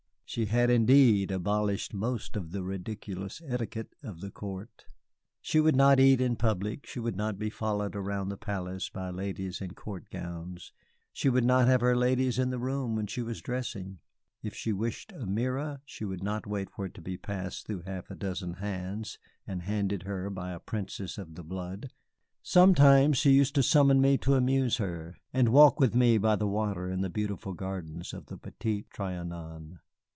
She had, indeed, abolished most of the ridiculous etiquette of the court. She would not eat in public, she would not be followed around the palace by ladies in court gowns, she would not have her ladies in the room when she was dressing. If she wished a mirror, she would not wait for it to be passed through half a dozen hands and handed her by a Princess of the Blood. Sometimes she used to summon me to amuse her and walk with me by the water in the beautiful gardens of the Petit Trianon.